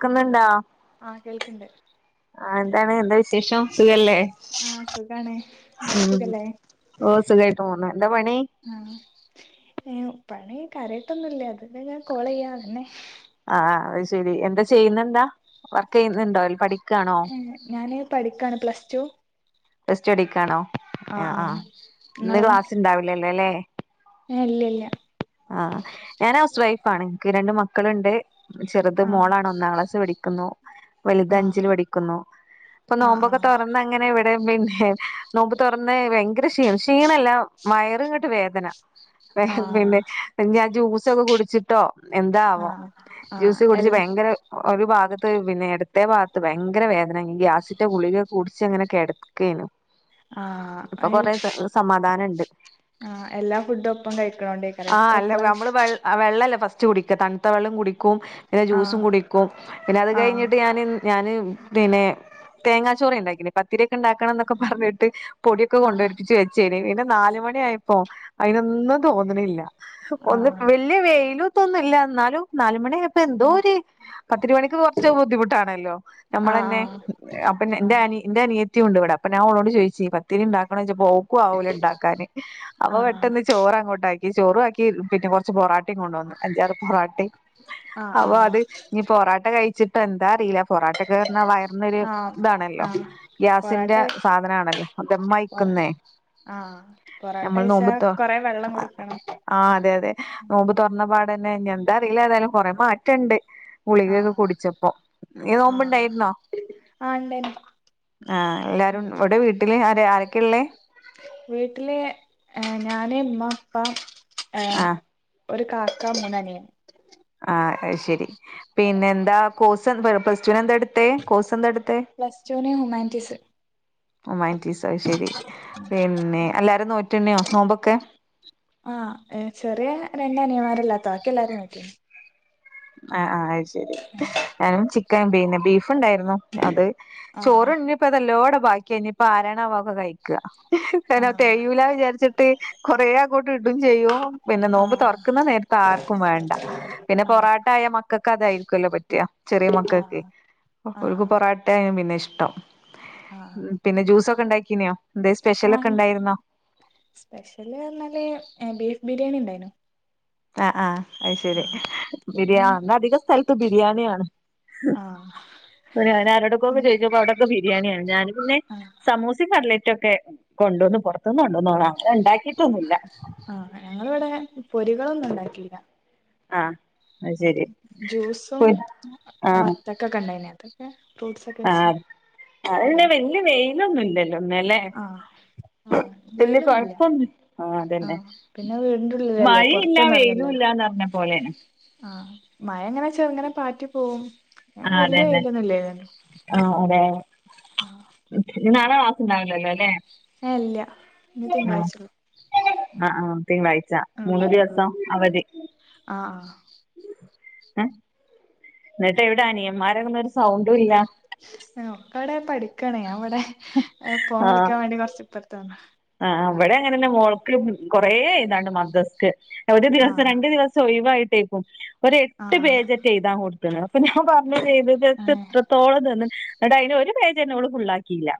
ക്ക്ന്നുണ്ടോ ആഹ് കേൾക്ക്ണ്ട്. ആഹ് എന്താണ് എന്താ വിശേഷം സുഖല്ലേ? ആഹ് സുഖാണ് ഇങ്ങക്ക് ഉം സുഖല്ലേ ഓ സുഖായിട്ട് പോന്ന് എന്താ പണി ആഹ് പണി കാര്യായ്ട്ടൊന്നുല്ല തില് ഞാൻ കോൾ ചെയ്യാൻ വന്നേ ആഹ് അഹ് ശരി എന്താ ചെയ്യുന്നെന്താ വർക്ക് ചെയ്യുന്നുണ്ടോ പഠി ഞാന് പഠിക്കാണ് പ്ലസ് ടു പെസ്റ്റു അടിക്കാണോ? ആഹ് ആഹ് ഇന്ന് ഇങ്ങളോ ക്ലാസ് ണ്ടാവിലല്ലല്ലേ? ഏഹ് ഇല്ല ഇല്ല ആഹ് ഞാൻ ഹൗസ് വൈഫ് ആണ് ക്ക് രണ്ട മക്കള്ണ്ട്. ചെറുത് ആഹ് മോളാണ് ഒന്നാം ക്ലാസ് പടിക്കുന്നു. വലുത് ആഹ് അഞ്ചിൽ പടിക്കുന്നു. പ്പൊ നോമ്പൊക്കെ ആഹ് തൊറന്ന് അങ്ങനെ വെ തെ മിൻഹേ നോമ്പ് തുറന്ന് വയങ്കര ക്ഷീ ക്ഷീണല്ല വയറി ഇങ്ങട്ട് വേദന ആഹ് പിന്നെ ഞ് ആ ജ്യൂസൊക്കെ കുടിച്ചിട്ടോ എന്താവോ ആഹ് ആഹ് ആഹ് ജ്യൂസ് എൽ കുടിച്ച് ഭയങ്കര ഒരു ഭാഗ പ്പ പിന്നെ എടുത്തെ ഭാത്ത് ഭയങ്കര വേദന ഈ ഗ്യാസിറ്റ ഗുളിക കുടിച്ച് ങ്ങനെ ക്കെടക്കേഞു. ആഹ് ഇപ്പൊ ഏഹ് കൊറേ സ സമാധാനംണ്ട് ആഹ് എല്ലാ ഫുഡും ഒപ്പം കഴിക്കണോണ്ടേയ്ക്കര കൊപ്പള ച്ച് കുടിക്ക തൺത്ത വെള്ളം കുടിക്കും. പിന്നെ ജ്യൂസും ആഹ് കുടിക്കും. പിന്നെ അത് ആഹ് കഴിഞ്ഞിട്ട് ഞാന് ഞാാന് പിന്നെ തേങ്ങാച്ചോറേ ണ്ടാക്കിഞ്ഞി. പത്തിരിക്കെ ണ്ടാക്കണംന്നൊക്കെ പർഞ്ഞിട്ട് പൊടിയൊക്കെ ആഹ് കൊണ്ടോരിപ്പിച്ച് വെച്ചേരി. പിന്നെ നാല മണി ആയപ്പോ അയിനൊന്നും തോന്ന്ണില്ല. ഒന്ന് ആഹ് വല്യ വെയില് ത്തൊന്നുംല്ല ന്നാലും നാലുമണിയായപ്പൊ എന്തോ ഒരു പത്തിരി വണിക്ക് കൊർച്ച ബുദ്ധിമുട്ടാണല്ലോ? നമ്മളന്നെ ആഹ് അപ് അപ്പന്നെ ആഹ് ന്റെ ആഹ് അനി ന്റെ അനിയത്തിയുണ്ട്വ്ടെ അപ്പം ഞാൻ ഓളോട് ചോയ്ച്ചി പത്തിരി ണ്ടാക്കണോയ്ച്ചപ്പോ ഓ ക്കു ആഊലണ്ടാക്കാന്. അപ്പ ആഹ് പെട്ടെന്ന് ചോറങ്ങോട്ടാക്കി ചോറു ആക്കി പിന്നെ ഓ ച് പൊറാട്ടിം കൊണ്ടോന്ന് അഞ്ചാറ് പൊറാട്ടിം ആഹ് അപ്പൊ ആഹ് അത് ഞ് പൊറാട്ട കഴിച്ചി പെന്താഅറീല. പൊറാട്ടക്കെ ർഞ്ഞാ വയർന്നൊര് ആഹ് താണല്ലോ ആഹ് ഗ്യാസിന്റെ പൊറാട്ടെ സാധന ആണല്ലേ അ പൊറ ദമ്മായ്ക്ന്നേ ആഹ് പൊറോട്ട നമ്മൾ കഴിച്ചാ നോമ്പ് തൊ കൊറെ വെള്ളം കുടിക്കണം ആഹ് അതെ അതെ നോമ്പ് തൊർന്നപാ അന്നെ എന്താറിയില്ല തായാലും കുറെ മാറ്റുണ്ട് ഗളികൊക്കെ ആഹ് കുടിച്ചപ്പോൊ ന ആഹ് നോമ്പണ്ടായിരുന്നോ ആഹ് ഇണ്ടേനു ആഹ എല്ലാരും ഇവിടെ വീട്ടില് ആ ആരൊക്കെയ ഉള്ളേ നേ അമ്മ അപ്പ ഒരു കാക്ക മുനനെയ ആ ശരി പിന്നെ എന്താ കോഴ്സ് എ പ്ലസ് ടുവിന് എന്താ എടുത്ത കോഴ്സ് എന്താ എടുത്ത നയൻറ്റി സി ഒമാൻ ീസ ശരി പിന്നെ എല്ലാരും നോറ്റുണയോ നോമ്പൊക്കെ ആഹ് ചെറിയ രണ്ട അനിയമാരല്ലാത്ത ബാക്കി എല്ലാരും പറ്റീ ആ ആ അത് ശരി ഞാനും ചിക്കൻ പിന്നെ ബീഫ് ഉണ്ടായിുന്നോ അത് ആഹ് ചോറ്ണ്നിപ്പ ഇതെല്ലോടെ ബാക്കിനിപ്പ ആരണൊക്കെ കഴിക്കുക എന്നെ ആഹ് തേ്യൂല വിചാരിച്ചിട്ട് കൊറെേ ആക്കോട്ട് ഇടും ചെയ്യോ പിന്നെ നോമ്പ് തുറക്കുന്ന നേര ആർക്കും വേണ്ട ആഹ മക്കൾക്ക അതായിരിക്കല്ലോ പറ്റിയ ചെറിയ ആഹ് മക്കൾക്കെ ആഹ് ഒഴക്ക് ആഹ് പൊറാട്ട പിന്നെ ഇഷ്ടം ആഹ് പിന്നെ ജ്യൂസൊക്കെ ഉണ്ടാക്കീനെയോ എന്ത സ്പെഷ്യലൊക്കെ ആഹ് ഉണ്ടായിരുന്നോ സ്പെഷ്യല് പറഞ്ഞാല് ബീഫ് ബിരിയാണി ഉണ്ടായിനോ ആഹ ആഹ [unintelligible] അ ശരി പിന്നെ ബിരിയാ അധിക സ്ഥലത്ത് ബിരിയാണിയാണ് ആഹ് ഞൻ ആരടക്കുംൊക്കെ പിന്നെ ചോയിിച്ചപ്പോ അവിടൊക്കെ ബിരിയാണിയാണ് ഞാന് പിന്നെ ആ സമോസയും കടലേ ക്കെ കൊണ്ടുവന്ന് പുറത്തുനിന്ന് കൊണ്ടോന്ന്ോണോ ആഹ ഞങ്ങളിവിടെ പൊരികളൊന്നും ഉണ്ടാക്കിില്ല ആഹ് അത് ശരി ജ്യൂസും വത്തക്കെ കണ്ടന അക്കേ ആഹ അന്നെ വല്യ വെയിലൊന്നുംല്ലല്ലോ ല്ലേ ആഹ് ആഹ് വല് വെയിലൊന്നുല്ല കൊഴപ്പൊ ആ അതന്നെ ആഹ് പിന്നെ വീടിന്റെ ഉള്ളിലല്ലേ മഴയില്ല വെയിലും ഇല്ലന്ന് പറഞ്ഞ പോലെനെ ആ മഴ എങ്ങനെ ചെറുങ്ങനെ പാറ്റി പോവും ആ വല്യ അതെതെ വെയിലൊന്നും ഇല്ലായിരുന്നു ആ അതെ നാളെ ണ്ടാവലല്ലോ അല്ലെ ഏഹ് ഇല്ല ഇനി ആ തിങ്കളാഴ്ചള്ളൂ ആ ആ തിങ്കാഴ്ച ആഹ് മൂന്നു ആഹ് ദിവസം അവധി ആഹ് എന്നിട്ട് എവിടെ അനിയന്മാരങ്ങുന്ന ഒരു സൗണ്ടും ഇല്ല ഒക്ക അവിടെ പഠിക്കണേ അവിടെ പോവാൻ വിളിക്കാൻ വേണ്ടി കൊറച്ച് ഇപ്പറത്തന്നു ആ അവിടെ അങ്ങനെന്നെ മോളക്ക കൊറേ ഇതാണ്ണ്ട് മദ്സ്ഥ ഒരു ദിവസം ആഹ് രണ്ടു ദിവസം ഒഴിവായിട്ടേക്കും ഒരു എട്ട് ആഹ് പേജറ്റ് എഴുതാ കൊടുക്കുന്നത് അപ്പൊ ഞാൻ പറഞ്ഞു ചെയ്തത്ത് ഏഹ് ഇത്രത്തോളം തന്ന എന്നിട്ട് അന് ഒരു പേജ് എന്നെോള് ഫുള്ളാക്കിയില്ല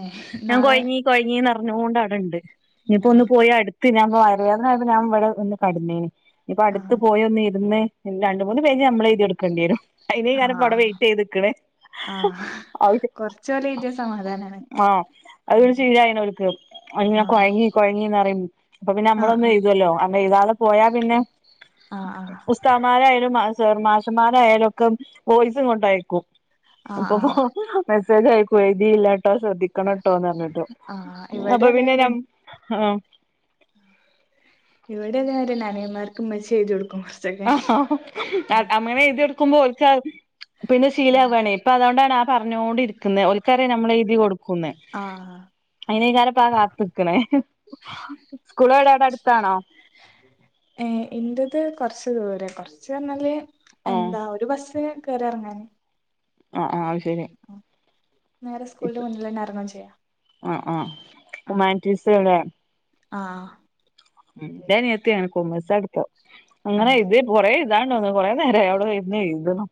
ഏഹ് ഞാൻ നാളെ കൊഴങ്ങി കൊഴങ്ങി നിറഞ്ഞോണ്ട് അവിടെ ഇണ്ട് ഇനിയിപ്പോൊ ഒന്ന് ഏഹ് പോയി അടുത്ത് ഞാൻ വയറ്വേദനയപ്പോ ഞാൻ ഇവിടെ ഒന്ന് കടന്നേന് ഇപ്പ ആഹ് അടുത്ത് പോയ ഒന്ന് ഇരുന്ന് രണ്ട മൂന്ന് പേര് നമ്മളെ എഴുതി കൊടുക്കേണ്ടി വരും അനി കാനം ആഹ് പവിടെ വെയിറ്റ് ചെയ്ത് നിക്കണേ ആഹ് കൊറച്ചോല് എഴുതിയ സമാധാനാണ് ആഹ അതൊ ശരന അങ്ങനെ ആഹ് കുഴങ്ങി കുഴങ്ങിന്ന് പറയും അപ്പൊ പിന്നെ നമ്മളൊന്നും ആഹ് എുതല്ലോ അ ഇതള പോയാ പിന്നെ ആഹ് ആഹ് ഉസ്താമാരായാലും ചെമാശമാരയാലുംൊക്കെ പോയിസും കൊട്ടയക്കും ആഹ് അപ്പൊ ആഹ് പ്രായിരിക്കും എഴുതിയില്ലാട്ടോ ശ്രദ്ധിക്കണട്ടോന്ന് പറഞ്ഞിട്ടോ ഇവിടെയല്ലേ ആഹ എർക്കും ചെയ്തു കൊക്കും ആ അങ്ങനെ ഇത് എടുക്കുമ്പോ ഒളിച്ച പിന്നെ ശീല വേണേ ഇപ്പൊ അതൊണ്ട ആ പറഞ്ഞുകോണ്ടിരിക്കുന്നത് ഉൽക്കാരെ നമ്മൾ എഴുതി കൊടുക്ക ക്കുന്നെ ആഹ് അയിനെയ്ന് ആരപ്പാ ആഹ് കാത്ക്ണേ സ്കൂള എവിടെ അടുത്താണോ ഏഹ് എന്റത് കൊറച്ചു ദൂര കൊറച്ച് പറഞ്ഞാല് ആഹ് എന്താ ഒരു ബസ് കേറി ഇറങ്ങാന് ആഹ് ആഹ് അത് ശരി നേരെ സ്കൂളിന്റെ മുന്നിലന്നെ ഇറങ്ങുകേം ചെയ്യാം ആഹ് ആഹ് ഹുമാൻറ്റീസവിടെ ആഹ് ന്റെ അനിയത്തി കോമേഴ്‌സ് എടുത്തെ അങ്ങനെ ഏഹ് ഇത് കോറേ ഇതാണ്ടോന്ന് കുറെ നേരായി അവിടെ [unintelligible]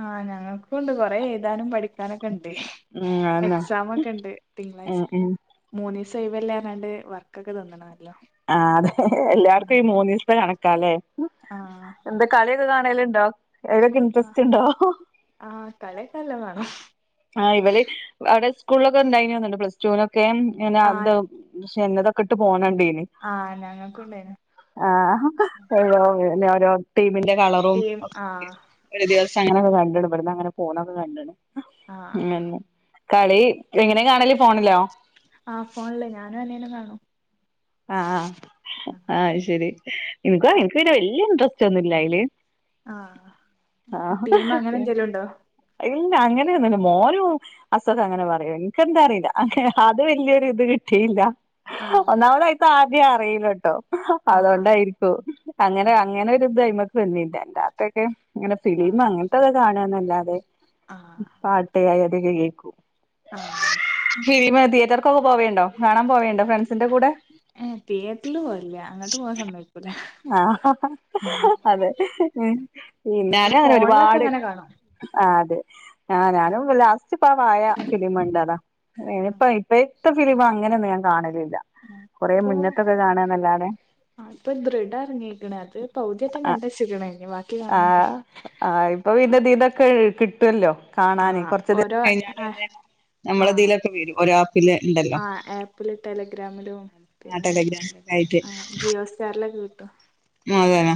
ആഹ് ഞങ്ങൾക്കു ഒണ്ട് കൊറെ എഴുതാനും പഠിക്കാനൊക്കെ ഉം അതന്നെ എക്സമൊക്കെ ഉണ്ട് ഉം തിങ്കളാഴ്ച ഉം മൂന്ന [unintelligible] അല്ലാഞ്ഞാണ്ട് വർക്കൊക്കെ തോന്നണ് ആഹ് അതെ എല്ലാർക്കും ഈ മൂന്നീസത്തെ കണക്കാല്ലേ ആഹ് എന്താ കളിയൊക്കെ കാണലും ആഹ് ആഹ് [unintelligible] വേണം ആഹ് ഇവല് അവിടെ സ്കൂളിലൊക്കെ ഉണ്ടായിനല്ലോ പ്ലസ് ടുവിന് പിന്നെ അത് ആഹ് പക്ഷെതൊക്കെ ഇട്ട് പോണ ആഹ് ഞങ്ങൾക്കുണ്ടായിനു ആഹ് ആഹ് ഓരോ [unintelligible] കളറും ടീം ആഹ് ഒരു ദിവസം അങ്ങനെയൊക്കെ കണ്ടാണ് ഇവിടുന്ന് അങ്ങനെ പോന്നൊക്കെ കണ്ട്ണ് ആഹ് ആഹ് ഉം കളി എങ്ങനെ കാണല് ഫോണിലോ ആഹ് ഫോണില് ഞാനും അനിയനും കാണും ആഹ് ആഹ് അത് ശരി എനക്ക് എനക്ക് വലിയ ഇൻട്രസ്റ്റ് ഒന്നുംല്ല അയില് ആഹ് ആഹ് ടീമ് അങ്ങനെ എന്തെലും ഉണ്ടോ ഇല്ല അങ്ങനൊന്നുല്ല മോനും അസുഖം അങ്ങനെ പറയും എനക്കെന്താ അറിയില്ല ആഹ് അത് വലിയൊരു ണിട്ടിയില്ല ഒന്നാമതായിത്ത് ആദ്യം അറിയില്ലട്ടോ ആഹ് ആഹ് അതൊണ്ടായിരിക്കും അങ്ങനെ ആഹ് അങ്ങനെ ഒരു ദൈമക്ക് വന്നീല്ലട്ട [unintelligible] ഇങ്ങനെ ഫിലിം ആഹ് അങ്ങനത്തെക്കെ കാണുക എന്നല്ലാതെ പാട്ട് അതൊക്കെ കേക്കൂ ആഹ ഫിലിം തിയറ്റർക്കൊക്കെ പോവേണ്ടോ കാണാൻ പോവേണ്ടോ ഫ്രണ്ട്സിന്റെ കൂടെ ഏ തിയേറ്ററില് പോവില്ല അങ്ങോട്ട് പോവാൻ സമ്മയികൂല ആ അതെ ഉം അല്ലാതെ പിന്നാലെ അവൻ ഫോണിലൊക്കെ ഒരുപാട്- അങ്ങനെ കാണും ആ അതെ ആ ഞാനും ലാസ്റ്റ് പാ [unintelligible] വായ ഫിലിം ഇണ്ട് അതാ ഉണ്ടതാ [unintelligible] പ്പ ഇപ്പ ഇപ്പം ഫിലിം അങ്ങനൊന്നും ഞാൻ കാണല് - ഇപ്പോ ആ ഇപ്പൊ ദ്രഡമം ഇറങ്ങിരിക്കണേ അത് പകുതിയറ്റം കണ്ട് വെച്ചിരിക്കണേ ആ ആ ഇപ്പൊ പിന്നെ ഇതീന്ന് ഒക്കെ കിട്ടുമല്ലോ ആ കാണാനെ കൊറച്ച ഓരോ ദിവസം കഴിഞ്ഞാല് ആ പിന്നെ ആ നമ്മളതിലൊക്കെ വരും ഒരാ ആപ്പില് ഇണ്ടല്ലോ ആ ആപ്പില് ടെലഗ്രാമിലും പിന്നെ [unintelligible] ആ ജിയോ ഹോസ്റ്ററിലൊക്കെ കിട്ടും അത് തന്നെ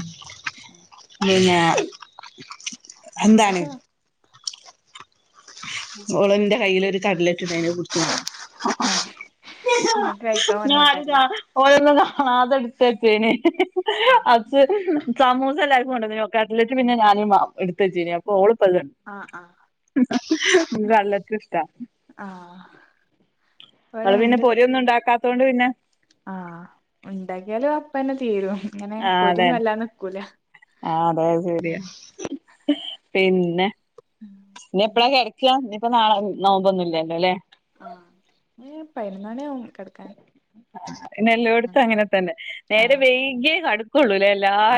ഉം പിന്നെയാ അങ്ങനൊക്കെ- മോളുന്റെ കൈലൊരു ഒരു കട്ലറ്റ് ഉണ്ട് അതിനെ കുറിച്ചാ ഏ ഇങ്ങക്ക് കഴിക്കാൻ ഞാൻ അരുത കൊണ്ടന്നേക്കാരല്ലേ [unintelligible] ഓന്ന ആ അതടുത്ത [unintelligible] ച്ചേന ആ അച് സമൂസ എല്ലാർക്കും കൊണ്ടുവന്നെ കട്ലെറ്റ് പിന്നെ ഞാനും എടുത്തവച്ചേനെ അപ്പ ഓളും - ആ ഹ് ആഹ് ഇവിടെ എല്ലാർക്കും ഇഷ്ടവാ ആഹ് നമ്മള് പിന്നെ പൊരിയൊന്നും ഉണ്ടാക്കാത്തോണ്ട് പിന്നെ- ആ ഉണ്ടാക്കിയാലും അപ്പ തന്നെ തീരും ഇങ്ങനെ പോരി ഒന്നും വല്ലാതെ നിക്കൂല ആ അതെ ആ ശരിയ പിന്നെ ഉം ഇനി എപ്പഴാ പിന്നെ കെട്ക്ക ഇനിയിപ്പ നാളെ നോമ്പൊന്നും ഇല്ലല്ലോ ല്ലേ ആ എ പയിനൊന്നണിയാവും എല്ലോട്ത്ത് അങ്ങനെ തന്നെ ആ നേരം വെയ്ക്കിയെ കടു കൊള്ളൂല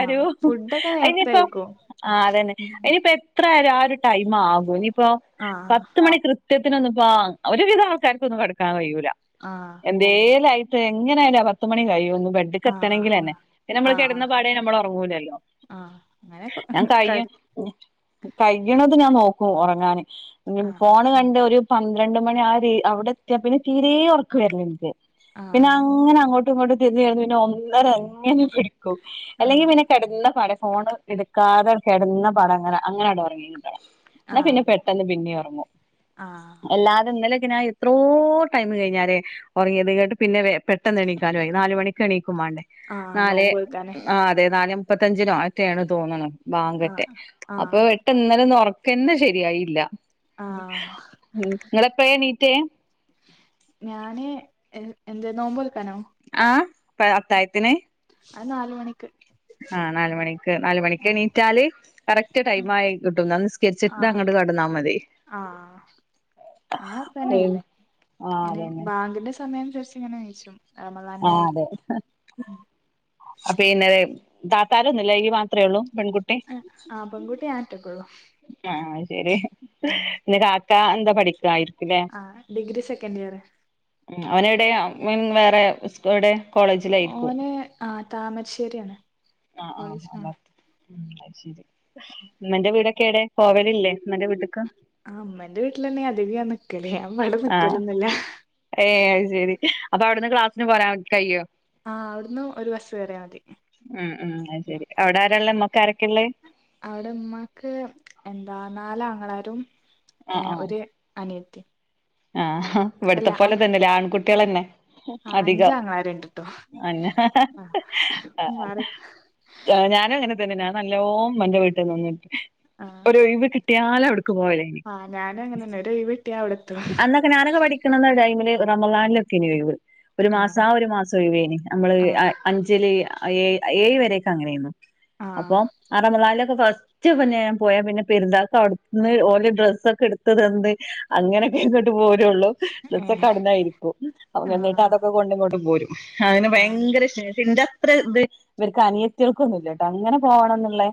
ആ ഫുഡൊക്കെ നേരത്തെ അയിനിപ്പ കഴിക്കും ആ അതന്നെ ഉം അയിനിപ്പ എത്ര ആ ഒരു ടൈം ആകും ഇനിയിപ്പോ ആ പത്ത് മണി കൃ ത്യത്തിനൊന്നും ഒരു വിധം ആൾക്കാർക്കൊന്നും കെട്ക്കാൻ കയ്യൂല ആ എന്തേലയിട്ട് എങ്ങനൊയാല പത്തുമണി കഴിയോന്നും ബെഡ്ക്ക ആ എത്തണങ്കിലെന്നെ പിന്നെ ആ നമ്മള് ആ കെടന്ന പാടേ നമ്മള് ഉറങ്ങൂലല്ലോ ആഹ് അങ്ങനെ ഞാൻ ക കയ്യ കഴ്യണത് ഞാൻ നോക്ക ഉറങ്ങാൻ ആഹ് ഫോണ് കണ്ട ഒരു പന്ത്രണ്ട് മണി ആ അവിടെ എത്തിയാ പിന്നെ തീരേ ഒർക്ക് വര് ല്ല ഇന്ക് പിന്നെ ആഹ് അങ്ങനെ അങ്ങോട്ട് ഇങ്ങോട്ട് തിരിഞ്ഞ് പിന്നെ ഒന്നര അങ്ങനെ പിടിക്കും അല്ലെങ്കിൽ ആഹ് പിന്നെ കെട്ന്നാ പാ ഫോണ് എടുക്കാതെ കെട്ന്നാ പാ ടങ്ങന അങ്ങനെട ഉറങ്ങി കിട്ടണം ന്നാ ആഹ് പിന്നെ പെട്ടെന്ന് പിന്നെയറ ആഹ് അല്ലാതെ ഇന്നലക്കനാ എത്രോ ടൈം കഴിഞ്ഞാലേ ഒർങ്ങിയത് കേട്ട് പിന്നെ പെട്ടെന്ന് എണീക്കാനു ആയി. നാല് മണിക്ക് എണീ ആഹ് നാല് നോമ്പ് വെക്കാന് ആ അതെ നാലെ മുപ്പത്തഞ്ചിനുംട്ടാണ് തോന്നുന്ന ബാങ്കട്ടെ ആഹ് അപ്പൊ ആഹ് എട്ടാ ഇന്നലെ ഉറക്കന്നെ ശരിയായില്ല ആഹ് ഇങ്ങളെപ്പെയ എണീറ്റെ ഞാന് എന്ത്‌ നോമ്പോൽക്കാനോ ആ പ അത്തായത്തിന് അത് നാല് മണിക്ക് ആ നാല് മണി നാല് ആഹ് മണിക്ക്ണീറ്റാല് കറക്റ്റ് ടൈം ആയി കിട്ടും ന്നാ നിസ്കെര്ച്ചിട്ട് അങ്ങട്ട് കട്ന്നാ മതി. ആ ഞങ്ങളപ്പ ആഹ് ന്നെ അതന്നെ ബാങ്കിന്റെ സ ങ്ങനെയയിച്ചും ആ അതെ പിന്നെ താത്താരൊന്നും ഇല്ലെ [unintelligible] അത്രേ ഉള്ളൂ പെൺകുട്ടി ആഹ് പെൺകുട്ടി ഞാൻ ഒറ്റക്കൊള്ളൂ ആഹ ശെരി എ കാക്ക എന്താ പഠിക്കായി ആ ഡിഗ്രി സെക്കൻഡ് ഇയർ അവനടെ മീൻ വേറെ ഉസ്കോയുടെ ഓനെ ആ താമരശ്ശേരിയാണ് ആഹ ആഹ് ആ ബത്ത അ ശരി ഇമ്മന്റെ വീടൊക്കെ എടെ പോവല് ഇല്ലേ ഇമ്മന്റെ വീട്ട്ക്ക് ആ ഇമ്മന്റെ വീട്ടിലന്നെയ അതിക ഞാൻ നിക്കല് ഞാൻ ഇവ്ടെ നിക്കലന്നില്ല ഏ അത് ശരി അപ്പൊ അവിടുന്ന് ക്ലാസ്സിന് പോരാൻ കയ്യോ ആ അവിടുന്ന് ഒരു ബസ് കയറിയാ മതി ഉം ഉം അ ശരി അവിടെ ആരാള്ളെ മ്മക്കാരൊക്കെുള്ള അവിടെ ഉമ്മാക്ക് എന്താ നാലാ ങ്ങളാരും ഏ ആഹ് ഒരു അനിയത്തി ആഹ് അല്ല ഇവിടുത്തെ അ പോലെ തന്നെല്ല ആ ആൺകുട്ടികളെന്നെ ആ അധികം അഞ്ചാങ്ങളാരുണ്ട്ട്ടോ അന്ന ആ മാറി ഞാനും അങ്ങനെ തന്നെയഞാൻ നല്ലോ ഇമ്മന്റെ വീട്ടിൽ നിന്നിട്ട് ആ ഒരഴിവ് കിട്ടിയാല അവിടുക്ക് പോവലേനി ആ ഞാനും അങ്ങനെന്നെ ഒരു ഒഴിവ് കിട്ടിയാ അവിടെത്തും അന്നൊക്കെ ഞാനൊക്കെ പഠിക്കണന്ന ടൈമില് റമളാനി ലൊക്കെനി ഒഴിവ് ഒരു മാസം ആ ഒരു മാസം ഒഴിവേനി നമ്മള് ആ അഞ്ചില് ഏഴ് വരക്കെ അങ്ങനെന്നു ആ അപ്പൊ ആ റമളാനിലൊക്കെ ഫ സ്റ്റ് പിന്നെ ഞാൻ പോയാ പിന്നെ പെര്ന്നാൾക് അവ്ടുന്ന് ഓല് ഡ്രസ്സ ഒക്കെ എട് ത്ത് തന്ന് അങ്ങനെ ഇങ്ങോട്ട് പോരുള്ളൂ ഏ ഡ്രസ്സ്‌ ഒക്കെ അവ്ട്ന്നായിരിക്കും ആ അതൊക്കെ കൊണ്ട് ഇങ്ങോട്ട് പോരും. അതിന് ആ ഭയങ്കര ശേഷം ഇന്റെ അത്ര ഇത് ഇവർക്ക് അനിയത്തിയ ൾക്കൊന്നുല്ല അങ്ങനെ പോകണംന്നുള്ളേ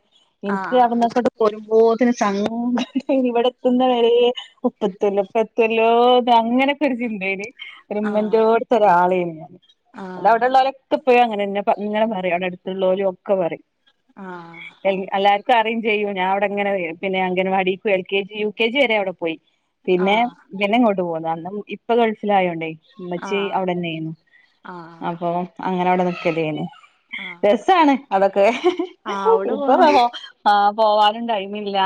ആ ആ എനിക്ക് അവിന്നൊക്കെട്ട് പോരുമ്പോ സങ്കടം ഇവിടെ എത്തുന്ന വരെ ഒപ്പത്തില്ല ല്ലോ അ അങ്ങനെക്കെ ഒരു ചിന്തയിലാ ആ ഉമ്മന്റെ ഒടുത്ത ഒരാളെയാണ് അത് അവിടെള്ളവരൊക്കെ അപ്പോ അങ്ങനെ ഇങ്ങനെ പറയും അവിടെ അടുത്തുള്ളരും ഒക്കെ പറയും ആഹ് അ പറയും ചെയ്യൂ ഞാൻ അവിടെങ്ങനെ പിന്നെ anganwadi L K G U K G വരെ അവിടെ പോയി പിന്നെ ആ പിന്നെ ഇങ്ങോട്ട് പോകുന്ന അന്ന് ഇപ്പൊ ഗൾഫില ആയോണ്ടേ ആ ഉമ്മച്ചേ അവിടെന്നെ ആ അപ്പൊ അങ്ങനെ അവിടെ നിക്കല്ലേനന് രസാണ് അതൊക്കെ ആ അവിടെ പോണ ഇപ്പം ആ പോവാനും ടൈമില്ല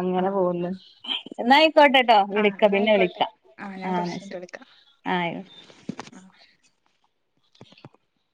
അങ്ങനെ ആ പോകുന്നു എന്നായിക്കോട്ടെട്ടോ ആഹ് വിളിക്ക പിന്നെ എന്നായിക്കോട്ടെ വിളിക്കാം ആഹ് ഞാൻ ആ കൊറച്ച് കഴിഞ്ഞിട്ട് വിളിക്കാം ആയിക്കോട്ടെ ആഹ് [inaudible]